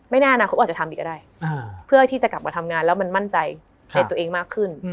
ในอนาคตอาจจะทำอีกก็ได้เพื่อที่จะกลับมาทำงานแล้วมันมั่นใจในตัวเองมากขึ้น